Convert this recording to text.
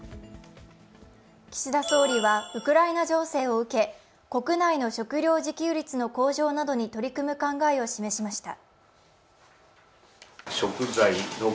岸田総理はウクライナ情勢を受け、国内の食料自給率の向上などに取り組む考えを示しました。